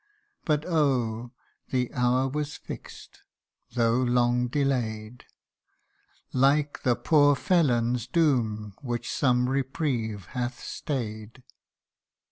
But oh ! the hour was fix'd though long delay 'd ; Like the poor felon's doom, which some reprieve hath stay'd.